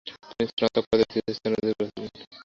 তিনি স্নাতক পর্যায়ে তৃতীয় স্থান অধিকার করেছিলেন।